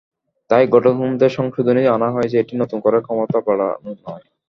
তাই গঠনতন্ত্রে সংশোধনী আনা হয়েছে, এটি নতুন করে ক্ষমতা বাড়ানো নয়।